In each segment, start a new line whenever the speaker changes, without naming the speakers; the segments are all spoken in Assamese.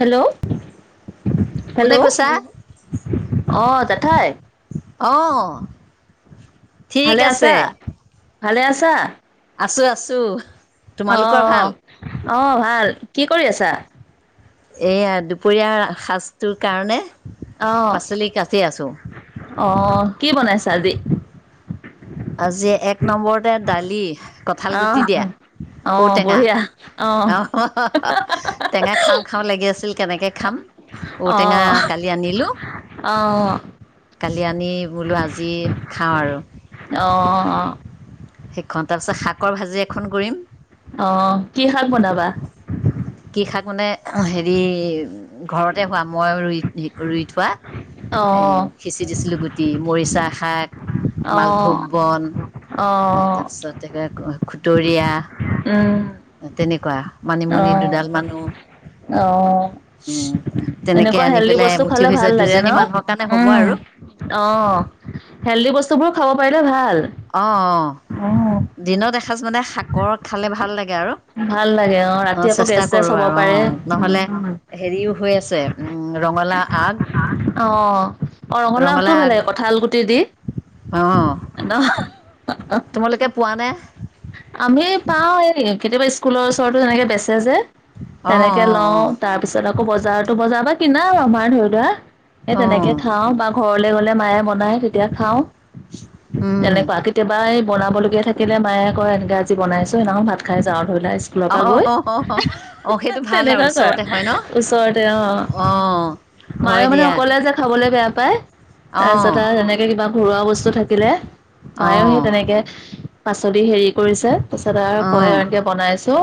হেল্ল'
কোনে
হেল্ল'
কৈছা?
অ', জেথাই।
অ'। ঠিক
ভালে
আছে।
আছা, ভালে আছা।
আছোঁ আছোঁ। তোমালোকৰ ভাল?
অ', অ', ভাল কি কৰি আছা?
এইয়া দুপৰীয়াৰ সাজটোৰ কাৰণে
অ
পাচলি কাটি আছোঁ।
অ', কি বনাইছা আজি?
আজি এক নম্বৰতে দালি, কঁঠাল
অ
গুটি দিয়া।
অ
ঔটেঙা
বঢ়িয়া অ
আহ অহ, অহ, অহ টেঙা খাওঁ, খাওঁ লাগি আছিল কেনেকে খাম। ঔটেঙা কালি আনিলো।
অহ।
কালি আনি বোলো আজি খাওঁ আৰু।
অ অ অ।
সেইখন তাৰপিছত শাকৰ ভাজি এখন কৰিম।
অ কি শাক বনাবা?
কি শাক মানে হেৰি ঘৰতে হোৱা মই ৰুই ভেকুৰী ৰুই থোৱা।
অ
এই সিঁচি দিছিলোঁ গুটি, মৰিচা শাক,
অ
মালভোগ বন
অ।
তাকে ক খুতৰীয়া
উম।
তেনেকুৱা,
অ
মানিমুনি দুডালমানো
অ
উম তেনেকে
এনেকুৱা
আনি
হেল্ডি
পেলাই
বস্তু
মুঠি
খালে
গৈছে
ভাল লাগে ন
দুজনী মানুহ কাৰণে হ'ব আৰু।
অ হেল্ডি বস্তুবোৰ খাৱ পাৰিলে ভাল।
অ অ
অ'
দিনত এসাঁজমানে শাকৰ খালে ভাল লাগে আৰু।
ভাল লাগে
অ
ৰাতি আকৌ গেছ
চেষ্টা
চেছ
কৰো
হ'ব
আৰু অ
পাৰে।
নহ'লে হেৰিও হৈ আছে উম ৰঙলাও আগ।
অ অ ৰঙালাওতো ভালে কঁঠাল গুটি দি।
অ।
নহয় [unintelligible]
তোমালোকে পোৱা নে?
আমি পাও এই কেতিয়াবা স্কুলৰ ওচৰতো তেনেকে বেচে যে,
অঁ
তেনেকে লওঁ
অঁ
তাৰ তাৰ পিছত আকৌ বজাৰতো বজাৰ পা কিনা আৰু আমাৰ ধৰি লোৱা, এ
অঁ
তেনেকে খাওঁ বা ঘৰলে গলে মায়ে বনাই তেতিয়া খাওঁ
অঁ
এনেকুৱা, কেতিয়াবা এই বনাব লগীয়া থাক থাকিলে মায়ে কয় এনেকে আজি বনাইছো সেদিনাখন ভাত খাই যাওঁ ধৰি লোৱা স্কুলৰ
অ
পৰা গৈ
অ সেইটো
[unintelligible]
ভাল আৰু
তেনেকুৱা কয়।
ওচৰতে হয় ন
ওচৰতে অ অ,
হয়
মায়েও মানে
দিয়া
অকলে যে খাবলে বেয়া পায়।
অ
তাৰপিছত আ সেনেকে কিবা ঘৰুৱা বস্তু থাকিলে
অ
মায়ো সেই তেনেকে পাচলি হেৰি কৰিছে, পিছত আৰু
অ
কয় এতিয়া বনাইছো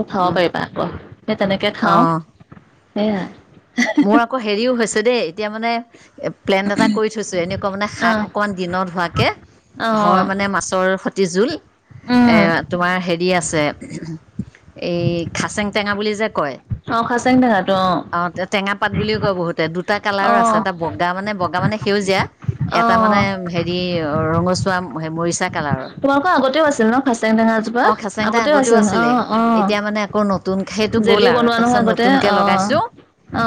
[unintelligible] খাব
উম
পাৰিবা আক। সেই তেনেকে
অ
খাওঁ সেয়াই।
মোৰ আকৌ হেৰিও হৈছে দেই, এতিয়া মানে এপ প্লেন এটা কৰি থৈছে এনেকুৱা মানে
আহ
শাক অকণমান দিনত হোৱাকে।
আহ
হয় মানে মাছৰসতি জোল এ
উম
তোমাৰ হেৰি আছে এই খাচেং টেঙা বুলি যে কয়।
অ খাচেং টেঙাতো অ।
অ টে টেঙা পাত বুলিও কয় বহুতে দুত দুটা
অ
কালাৰৰ আছে এটা বগা মানে বগা মানে সেউজীয়া
অ
এটা মানে হেই ই ৰঙচুৱা স মৰিচা কালাৰ।
অ আগতেও আছিল ন ফাচেং টেঙা যো কিবা
খাচাং দা
আগতেও আছিল অ
আছিলে
অ
এতিয়া মানে আকৌ নতুন সেইটো গ'ল
জেলি
আৰু
বনোৱা নহয়
তাৰপিছত
আগতে অ। অ।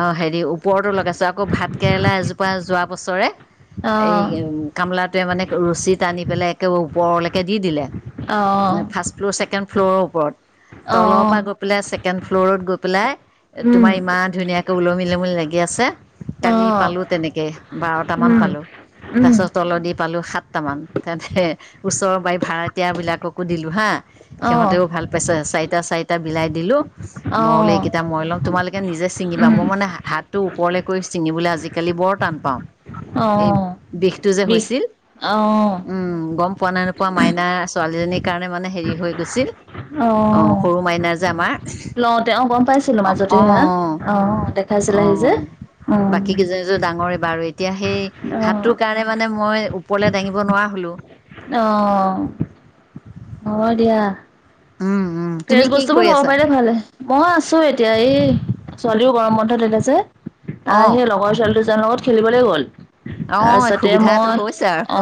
অঁ হেৰি ওপৰতো লগাইছোঁ আকৌ ভাতকেৰেলা এজোপা যোৱা বছৰে।
অ
এই গামলাটোৱে মানে ৰচী টানি পেলাই একেবাৰে ওপৰলেকে দি দিলে।
অ
এ ফাৰ্ষ্ট ফ্ল'ৰ ছেকেণ্ড ফ্ল'ৰৰ ওপৰত,
অ
তলৰ পৰা গৈ পেলাই ছেকেণ্ড ফ্ল'ৰত গৈ পেলাই
উম
তোমাৰ ইমান ধুনীয়াকে ওলমি ওলমি লাগি আছে। কালি
অ',
পালো তেনেকে বাৰট মান
উম,
পালো, তাৰ
উম,
পিছত তলত দি পালো সাত টামান হে ওচৰ বাৰী ভাড়াতীয়া বিলাককো দিলোঁ হা
অ',
সিহঁতেও ভাল পাইছে, চাৰিটা চাৰিটা বিলাই দিলো। মই বোলো
অ',
এইকেইটা মই লম। তোমালোকে নিজে ছিঙিবা।
উম,
মই মানে হাতটো ওপৰলৈ কৰি ছিঙিবলৈ আজিকালি বৰ টান পাওঁ। এই
অঁ।
বিষটো যে হৈছিল। উম গম পোৱা নাই নোপোৱা মাইনা ছোৱালী- ছোৱালীজনীৰ কাৰণে মানে হেৰি হৈ গৈছিল। অ সৰু মাইনা যে আমাৰ,
অ তেওঁ গম পাইছিলো
অঁ
মাজতে সেয়া,
অঁ
দেখাইছিলাহি যে। অ।
সেইকেজোৰ ডাঙৰে বাৰু। এতিয়া সেই
অ',
হাতটোৰ কাৰণে মানে মই ওপৰলৈ দাঙিব নোৱাৰা হলো।
অঁ।
উম [inaudible]
অ' দিয়া।
তুমি
ফ্ৰেছ
কি
বস্তুবোৰ
কৰি
খাব
আছা
পাৰিলে ভালে। মই আছো এতিয়া এই ছোৱালীও গৰম বন্ধ দিলে যে,
অঁ
তাইসেই লগৰ ছোৱালী দুজনী, তা লগত খেলিবলৈ গ'ল।
অঁ
তাৰপিছতে
সুবিধা এটা
মই
হৈছে আৰু
অ,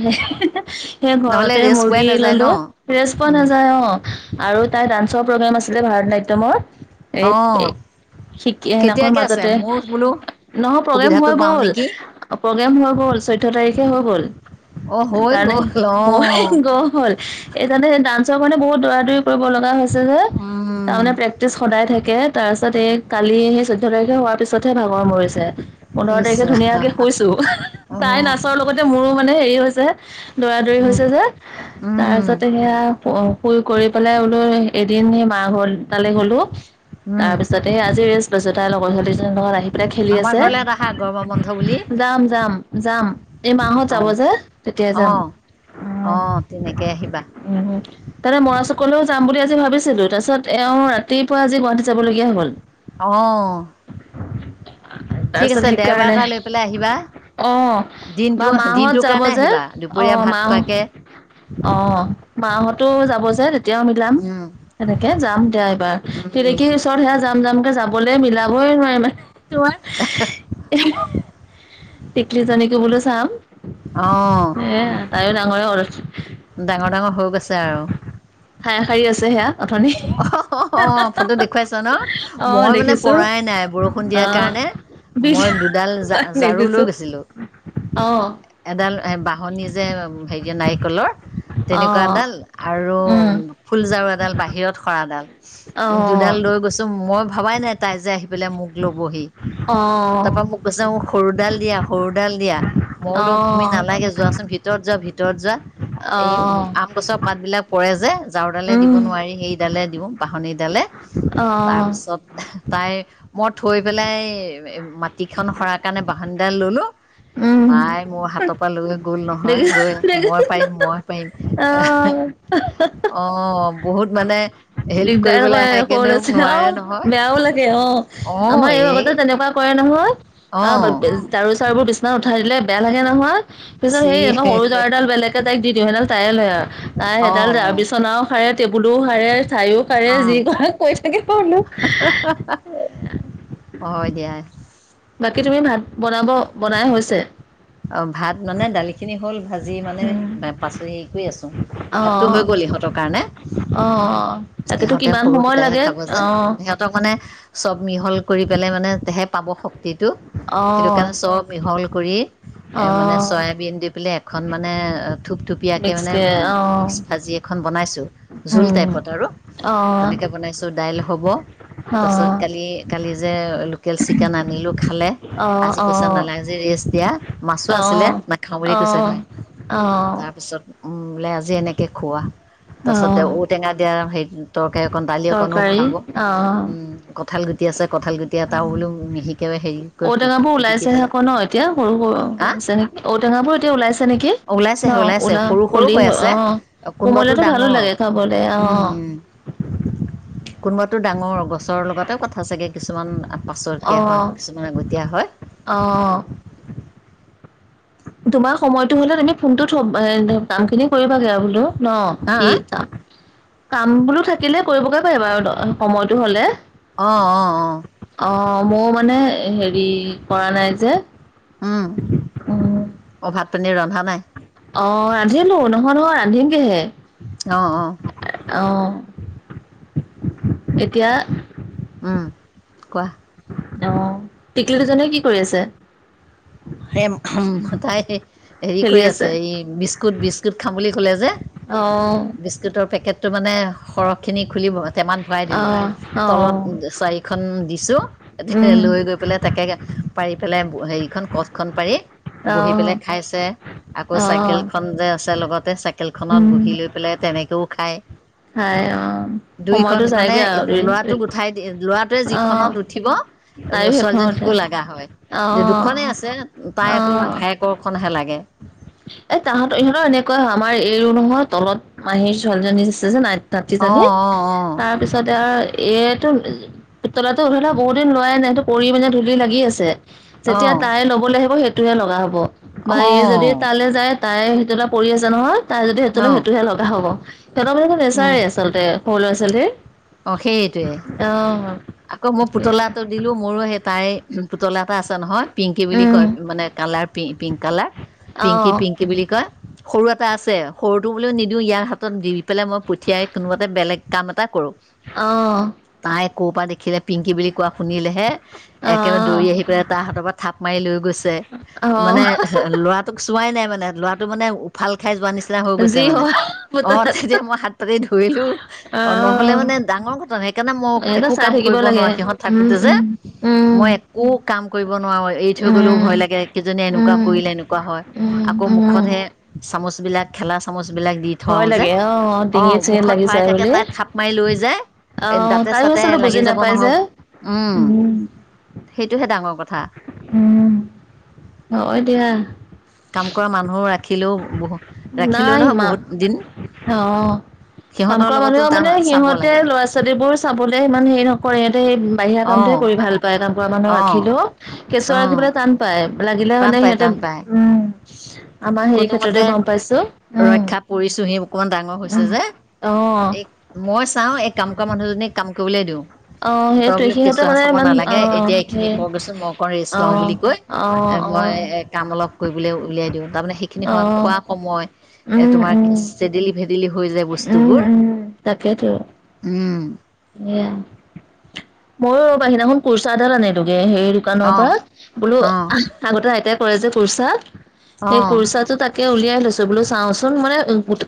হেহহে সেই
নহ'লে
ঘৰতে
ৰেষ্ট পোৱাই
বহি
নাযায় ন
ললো। ৰেছ পোৱা নাযায় অ। আৰু তাই ডান্সৰ প্ৰগ্ৰেম আছিলে ভাৰত নাট্যমৰ।
অঁ
এক এ শিকে এনেকৈ
কেতিয়াকৈ আছে
মাজতে।
মোৰ বোলো
নহয় প্ৰগ্ৰেম
সুবিধাটো
হৈ
পাওঁ
গ'ল।
নেকি
প্ৰগ্ৰেম হৈ গ'ল। চৈধ্য তাৰিখে হৈ গ'ল।
অঁ হৈ
তাৰে
গ'ল
অ
অঁ
হেহহে গ'ল। এইকাৰণে ডান্সৰ কাৰণে বহুত দৌৰা দৌৰি কৰিব লগা হৈছে যে।
উম।
তাৰমানে প্ৰেক্টিছ সদায় থাকে, তাৰ পিছত এই কালি সেই চৈধ্য তাৰিখে হোৱাৰ পিছতহে ভাগৰ মৰিছে। পোন্ধৰ তাৰিখে
ইচ্ছা
ধুনীয়াকে শুইছো, তাই
অঁ
নাচৰ লগ, তে মোৰো মানে হেৰি হৈছে, দৌৰা দৌৰি হৈছে যে। তাৰ পিছত সেয়া শুই কৰি পেলাই বোলো এদিন সেই মাহ ঘৰ তালৈ গলোঁ। তাৰ পিছতে এ আজি ৰেষ্ট লৈছো, তাই লগৰ ছোৱালীজনীৰ লগত আহি পেলাই খেলি
আমাৰ ঘৰলৈ এটা আহা গৰমৰ বন্ধ বুলি
আছে। যাম যাম যাম। এই মাহত যাব
অঁ
যে তেতিয়াই যাম।
অঁ
অ
অঁ তেনেকে আহিবা।
উম। তাতে মই আচল, অকলেও যাম বুলি আজি ভাবিছিলো, তাৰপিছত এওঁ ৰাতিপুৱা আজি গুৱাহাটী যাবলগীয়া হ'ল।
অঁ। ঠিক
তাৰপিছত
আছে দেওবাৰ
সেইকাৰণে
এটা লৈ পেলাই আহিবা।
অ, বা
দিনটো
মাহত
দিনটোৰ
যাব
কাৰণে
যে।
আহিবা
অ
দুপৰীয়া ভাত
মাহ,
খোৱাকৈ
অ মাহঁতো যাব যে, তেতিয়াও মিলাম,
উম,
সেনেকে যাম দিয়া এবাৰ।
উম,
তিলেকীৰ ওচৰত সেয়া যাম যামকে যাব- বলে মিলাবই নোৱাৰি মানে তোমাৰ, টিকলি জনীকো বোলো চাম।
অঁ।
সে তাইও ডাঙৰে হ'ল।
ডাঙৰ ডাঙৰ হৈ গৈছে আৰু।
ঠাই সাৰি আছে সেয়া। অথনি।
অহ হ হ অ ফটো দেখুৱাইছ ন?
অ
মই মানে
দেখিছো
পৰাই নাই বৰষুণ দিয়াৰ
আহ
কাৰণে।
বিছ
মই দুডাল
তাক
ঝা-ঝাৰু লৈ
দেখিছো
গৈছিলো।
আহ
এডাল বা - বাঁহনি যে হেৰি নাৰিকলৰ, তেনেকুৱা
আহ
এডাল আৰু,
উম
ফুলঝাৰু এডাল বাহিৰত সৰাডাল।
আহ
দুডাল লৈ গৈছো মই ভবাই নাই, তাই যে আহি পেলাই মোক ল'বহি।
আহ
তাৰ পৰা মোক, কৈছে মোক সৰুডাল দিয়া, সৰুডাল দিয়া। মই বোলো
আহ
তুমি নালাগে যোৱা চোন ভিতৰত যোৱা ভি [unintelligible] ভিতৰত যোৱা। এই
আহ
আম গছৰ পাতবিলাক পৰে যে ঝাৰুডালে দিব
উম
নোৱাৰি সেইডালে দিওঁ। [inaudible] বাঁহনি ডালে
আহ
তাৰপিছত [unintelligible] [unintelligible] তাই মই থৈ পেলাই মাটিখন সৰাৰ কাৰণে বাঁহনিডাল ললো
উম
তাই মোৰ হাতৰ পৰা লৈ গ'ল নহয়,
দেখিছ
গৈ আছো
দেখিছ
মই পাৰিম, মই পাৰিম।
আহ
[unintelligible] অঁ বহুত মানে [inaudible]
দিগদাৰ
কৰিবলৈ
কৰে,
আহে
সৰু
কিন্তু
ল'ৰা-ছোৱালী অঁ
নোৱাৰে নহয়
[unintelligible] বেয়াও লাগে অঁ আমাৰ এই আগতে তেনেকুৱা [inaudible] কৰে নহয় আহ
অঁ
ঝাৰু-চাৰুবোৰ বিছনাত উঠাই দিলে বেয়া লাগে নহয়। [inaudible] পিছত
চি
সেই আকৌ সৰু ঝাৰুদাল বেলেগে তাইক দিওঁ সেইডাল তাইয়ে লয় আৰু তাই সেইডাল
অঁ অঁ
ঝাৰু বিচনাও সাৰে [inaudible] টেবুলো সাৰে, চায়ো সাৰে যি
অঁ
কৰে কৰি থাকিব বোলো। [unintelligible]
[unintelligible] হয় দিয়া।
বাকী তুমি ভাত বনাব [inaudible] বনাই হৈছে?
অ ভাত মানে দালিখিনি হ'ল ভাজি মানে পাচলি হেৰি কৰি আছো।
অ'
[unintelligible] ভাতটো
অ'
হৈ গ'ল ইহঁতৰ কাৰণে। [inaudible]
অ' তাকেতো
ইহঁতে
কিমান
সৰু
সময়
কিতাইহে
লাগে
খাব যে
অ'
সিহঁত [inaudible] ইহঁতক মানে চব মিহল কৰি পেলাই মানেহে পাব শক্তি [unintelligible] শক্তিটো সেইটো
অ'
কাৰণে চব মিহল কৰি [inaudible] এ মানে
অ'
চয়াবিন দি পেলাই এখন মানে, থোপথুপিয়াকে
মিক্স
মানে [unintelligible]
অ'
মিক্স ভাজি এখন বনাইছোঁ, জোল
উম
টাইপ। [inaudible] [unintelligible] আৰু
অ'
তেনেকে বনাইছো দাইল হব। তাৰপাছত
অ',
কালি-কালি যে লোকেল চিকেন আনিলোঁ খালে। [inaudible]
অ',
আজি কৈছে
অ',
নালাগে আজি ৰেষ্ট দিয়া, মাছো আছিলে নাখাওঁ বুলি কৈছে তাই। [inaudible]
অঁ [inaudible]
উম বোলে আজি এনেকৈ খোৱা। [unintelligible] তাৰপিছতে
অঁ।
[unintelligible] দিয়া সেই তৰকাৰী অকণ, দালি অকনো খুৱাব উম। [unintelligible] কঁঠাল গুটি আছে, কঁঠাল গুটি এটাও বোলো মিহি
ঔটেঙাবোৰ ওলাইছে হে আকৌ ন এতিয়া, সৰু-সৰু
হা
হৈছে নেকি ঔটেঙাবোৰ এতিয়া ওলাইছে নেকি?
ওলাইছে
[inaudible] ন
ওলাইছে
ওলা
সৰু সৰু
কলি
হৈ
অ
আছে
কোমলীয়খটো ভালো লাগে খাব। [unintelligible]
উম-উম। [unintelligible] কোনোবাতো ডাঙৰ গছৰৰ লগতে কথা চাগে কিছুমান পাছতীয়া হয়, কিছুমান আগতীয়া হয়। [inaudible]
অঁ [unintelligible] তোমাৰ সময়টো হলে তুমি ফোনটোত থৈ [unintelligible] এ কামখিনি কৰিবাগে আৰু বোলো ন?
হা
কি কাম? [inaudible] কাম বোলো থাকিলে কৰিবগে পাৰিবা আৰু সময়টো হলে।
অঁ-অঁ-অঁ।
অঁ মোৰ মানে হেৰি কৰা নাই যে। [inaudible]
উম। অ ভাত-পানী ৰন্ধা নাই? [inaudible]
অঁ ৰান্ধিলো, নহয়-নহয় ৰান্ধিমগেহে। [unintelligible]
অঁ-অঁ।
[unintelligible] অঁ [inaudible] এতিয়া
উম কোৱা?
অঁ টিকলি দুজনীয়ে কি কৰি আছে? [inaudible]
[unintelligible] তাই হেৰি কৰি আছে এই বিস্কুট-বিস্কুট খাম বুলি কলে যে
অ
বিস্কুটৰ পেকেটটো মানে সৰহখিনি খুলিব টেমাত ভৰাই দিলোঁ
অ',
তলত
অ',
চাৰি খন দিছোঁ তাতে
উম।
লৈ গৈ পেলাই তাকে পাৰি পেলাই হেৰিখন কঠখন পাৰি বহি
অ',
পেলাই খাইছে, আকৌ
অ',
চাইকেলখন যে আছে লগতে চাই কেলখনত
উম,
বহি লৈ পেলাই তেনেকেও খায়
খাই অ'। সময়তো
দুইখন মানে
যায়গে আৰু দেৰি
ল'ৰাটোক উঠাই ল'ৰাটোৱে
অ',
যিখনত উঠিব
তাইও সেইখনতে
ছোৱালীজনীকো লগা হয়
অ',
দুখনেই আছে তাই আকৌ
অ'।
ভায়েকৰখনহে লাগে।
এ তাহাঁতৰ ইহঁতৰ এনেকুৱা হয় আমাৰ এইও নহয় তলত মাহীৰ ছোৱালীজনী আছে যে নাই নাতি
অঁ অঁ
জনি
অঁ
তাৰপিছতে আৰু এইটো তলতে উধলা বহুত দিন লোৱই নাই সেটো পৰি মানে ধূলি লাগি আছে যেতিয়া তাই
অঁ
ল'বলৈ আহিব সেইটোহে লগা হব বা
অঁ
এই যদি যাই তাই সেইটো এটা পৰি আছে নহয় তাই যদি সেইটো সেইটোহে লগা হব তহঁত মানে নেচাই আচলতে সৰু ল'ৰাছোৱালী
অ সেইটোৱে আকৌ মই পুতলাটোত দিলোঁ মোৰো সেই তাই পুতলা এটা আছে নহয় পিংকি বুলি
উম
কয় মানে কালাৰ পি পিংক কালাৰ পিংকি
অহ
পিংক কি বুলি কয় সৰু এটা আছে সৰুটো বুলে নিদিও ইয়াৰ হাতত দি পেলাই মই পঠিয়াই কোনোবা এটা মই বেলেগ কাম এটা কৰোঁ।
অ
তাই ক'পা দেখিলে পিংকি বুলি কোৱা শুনিলেহে একেবাৰে দৌৰি
অহ
আহি পেলাই তাৰ হাঁতৰ পৰা থাপ মাৰি লৈ গৈছে মানে
অহ
ল'ৰাটোক চোৱাই নাই মানে ল'ৰাটো মানে উফাল খাই যোৱা নি নিচনা হৈ গৈছে
যি
মানে
হয়
অ
পুতলাটো
তেতিয়া মই হাত পাতি ধৰিলো অ নহলে
অহ
মানে ডাঙৰ ঘটনা সেইকাৰণে মই
এটা
একো
চাই
কাম
থাকিব
কৰিব
লাগে।
নোৱাৰো সিহঁত
উম,
থাকোতে যে
উম, উম,
মই একো কাম কৰিব নোৱাৰো এৰি থৈ গ'লেও ভয়
উম,
লাগে এইকেইজনীয়ে এনেকুৱা
উম।
কৰিলে এনেকুৱা হয়
উম,
আকৌ
উম,
মুখতহে চামুচ বিলাক খেলা চামুচ বিলাক দি
ভয়
থও যে
লাগে
অ
ডিঙিত চিঙিত
মুখত
লাগি
ভৰাই
যায়
থাকে
বুলি।
তাই থাপ মাৰি লৈ যায় এ
অ',
দাতে
তাইও
চাতে
আচলতে বুজি
লাগি যাব
নাপায় যে।
নহয় উম সেইটোহে ডাঙৰ কথা
উম হয় দিয়া
কাম কৰা মানুহো ৰাখিলো বহু ৰাখিলো
নাই
নহয়
মা
বহুত দিন
অ'। কাম
সিহঁতৰ
কৰা
লগতো
মানুহেও
টান
মানে
চাব
সিহতে
লাগে
ল'ৰা বোৰ চাবলে ইমান হেৰি নকৰে ইহতে এই বাহিৰা
অঁ
কামটোহে কৰি ভাল পায় কাম কৰা মানুহ
অঁ
ৰাখিলো কেঁচুৱা
অঁ
ৰাখিবলে টান পায় লাগিলে
টান
মানে
পায়
সিহঁতে
টান পায়
উম আমাৰ হেৰি ক্ষেত্ৰতে
কোনোমতে
গম পাইছো উম,
ৰক্ষা পৰিছোহি অকমান ডাঙৰ হৈছে
উম।
যে
অ',
এই মই চাওঁ এই কাম কৰা মানুহজনীক কাম কৰিবলে দিওঁ
অ',
তই
সেইটোৱে
বোলো
সিহঁতৰ
কেঁচুৱা
মানে
চাব
ইমান
নালাগে
অ',
এতিয়া
সেই
এইখিনি কগেচোন মই অকণ ৰেচ লওঁ
অ'।
বুলি কৈ এ
অ',
মই
অ',
এ কাম অলপ কৰিবলে উলিয়াই দিওঁ তাৰমানে সেইখিনি সময়
অ',
খোৱা সময় এ
উম,
তোমাৰ
উম,
চেদেলি-ভেদিলি হৈ যায়
উম,
বস্তুবোৰ
উম,
উম।
এয়া মইও ৰবা সেই নাখন কুৰ্চা এডাল আনিলোগে হেৰি দোকানৰ
অঁ
পৰা বোলো
অঁ
আগতে আইতাই কৰে যে কুৰ্চা সেই
অঁ
কুৰ্চাটো তাক তাকে উলিয়াই লৈছো বোলো চাওচোন মানে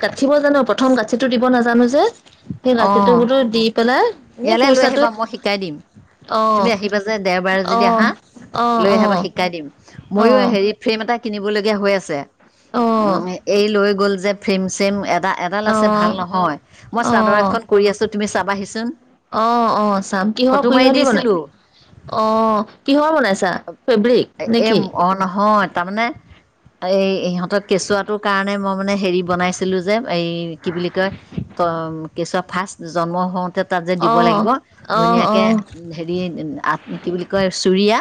গাঠিব জানো প্ৰথম গাঠিটো দিব নাজানো যে সেই গাঠিটো
অঁ
বোলো দি পেলাই এ
ইয়ালৈ লৈ আহিবা
কুৰ্চাটো
মই শিকাই দিম।
অ
তুমি আহিবা যে, দেওবাৰে
অ
যদি আহা,
অ অ
লৈ আহিবা? শিকাই দিম।
অ অ
মইয়ো হেৰি, ফ্ৰেম এটা কিনিবলগীয়া হৈ আছে। এই লৈ গ'ল যে, ফ্ৰেম-চ্ৰেম এটা। এডাল
অ
আছে, ভাল নহয়! মই চাদৰ এখন
অ
কৰি আছোঁ, তুমি চাবাহিচোন?
অ' অ'! চাম। কিহৰ
ফটো মাৰি
কিহৰ দি বনাই?
দিছিলো
অ'! কিহৰ বনাইছা? ফেব্ৰিক,
এ
নেকি?
অ'! নহয়। তাৰমানে,
[inaudible]
এই, ইহঁত, কেঁচুৱাটোৰ কাৰণে, মই মানে, হেৰি বনাইছিলোঁ যে, এই কি বুলি কয়? কেঁচুৱা ফাৰ্ষ্ট, জন্ম হওঁ তাত যে,
অ
দিব লাগিব।
অ অ
ধুনীয়াকে! হেৰি, কি বুলি কয়, চুৰিয়া।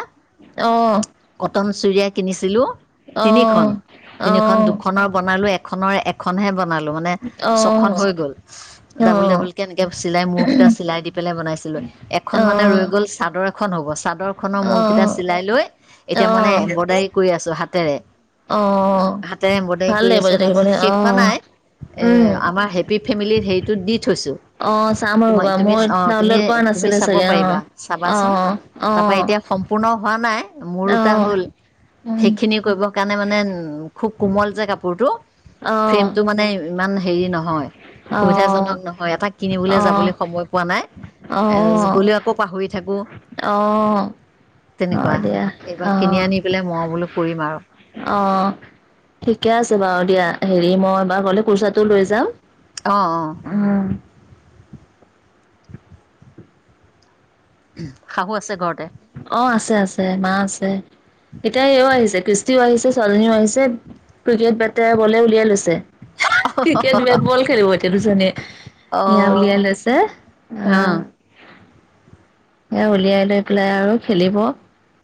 অ'!
কটন চুৰিয়া কিনিছিলোঁ, তিনিখন। তিনিখন,
অ',
দুখনৰ বনালোঁ। এ এখনৰ, এখনহে বনালোঁ। মানে, ছখন হৈ গ'ল। ডাবুল-ডাবুলকে এনেকে, চিলাই মূৰ কেইটা চিলাই দি পেলাই বনাইছিলোঁ। এখন মানে ৰৈ গ'ল, চাদৰ খন হ'ব। চাদৰ খনৰ মূৰ কেইটা চিলাই লৈ, এতিয়া মানে, এম্ব্ৰইডাৰী কৰি আছোঁ, হাতেৰে। হাতেৰে এম্ব্ৰইডাৰী
ভাল
কৰি
লাগিব
আছোঁ।
যে
মানে,
দেখিবলৈ
শেষ হোৱা
অ',
নাই। এ,
উম।
আমাৰ হে হেপ্পী ফেমিলিত, হেৰিটোত দি থৈছোঁ।
অ', চাম
তুমি,
ৰ'বা
তুমি
মই
অ'! তুমি,
ডাউনলোড কৰা
তুমি
নাছিলো
চাব
চাগে
পাৰিবা,
অ',
চাবাচোন?
অ',
তাৰ পৰা,
অ'।
এতিয়া সম্পূৰ্ণ হোৱা নাই, মোৰ দুটা
অ',
হ'ল।
উম,
সেইখিনি, কৰিব কাৰণে মানে, খুউব কোমল যে কাপোৰটো।
অ',
ফ্ৰেমটো মানে, ইমান হেৰি নহয়।
অ'!
জনক নহয়। এটা কিনিবলৈ
অ',
যাবলৈ সময় পোৱা নাই। এ,
অ'।
গ'লেও আকৌ পাহৰি থাকোঁ।
অ'!
তেনেকুৱা,
হয় দিয়া
এইবাৰ কিনি
অ',
আনি পেলাই, মই বোলোঁ কৰিম আৰু।
অ'! ঠিকে আছে বাৰু দিয়া। হেৰি মই, এইবাৰ গ'লে, পইচাটো লৈ যাম।
অ' অ'!
উম!
শাহু আছে ঘৰতে।
অ'! আছে, আছে, মা আছে। এতিয়া, এইও আহিছে, ক্ৰিছ। ক্ৰিছো আহিছে, চোৱালি জনীও আহিছে। ক্ৰিকেট বেট, বলে উলিয়াই লৈছে। ক্ৰিকেট, বেটবল খেলিব, এতিয়া দুইজনীয়ে। এইয়া,
অঁ
উলিয়াই লৈছে।
অঁ
অ'! এইয়া, উলিয়াই লৈ পেলাই আৰু খেলিব।